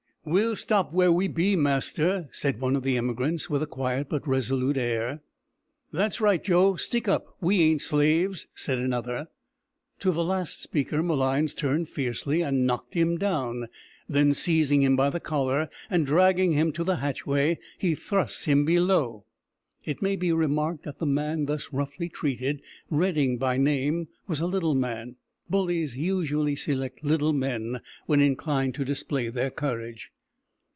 "We'll stop where we be, master," said one of the emigrants, with a quiet but resolute air. "That's right, Joe, stick up. We ain't slaves," said another. To this last speaker Malines turned fiercely and knocked him down; then, seizing him by the collar and dragging him to the hatchway, he thrust him below. It may be remarked that the man thus roughly treated Redding by name was a little man. Bullies usually select little men when inclined to display their courage.